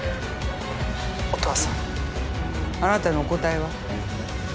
音羽さんあなたのお答えは？